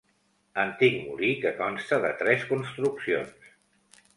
Antic molí que consta de tres construccions.